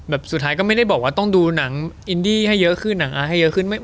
สุดท้ายก็ไม่ได้บอกว่าต้องดูหนังอินดี้ให้เยอะขึ้นหนังให้เยอะขึ้น